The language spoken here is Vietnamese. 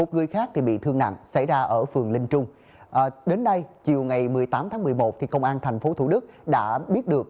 một người khác thì bị thương nặng xảy ra ở phường linh trung đến nay chiều ngày một mươi tám tháng một mươi một công an tp thủ đức đã biết được